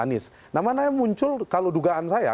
nama nama yang muncul kalau dugaan saya